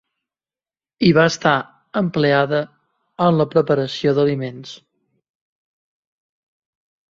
Hi va estar empleada en la preparació d'aliments.